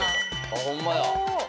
ホンマや。